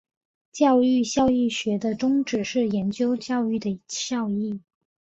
教育效益学的宗旨是研究教育的效益。